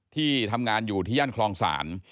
ที่ทำงานอยู่ที่ย่านคลองศาล